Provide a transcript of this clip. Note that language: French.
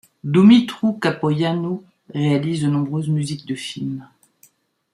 Dumitru Capoianu réalise de nombreuses musique de film.